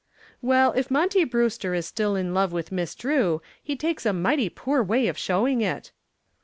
"Well, if Monty Brewster is still in love with Miss Drew he takes a mighty poor way of showing it."